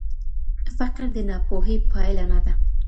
فقر د ناپوهۍ پايله نه ده.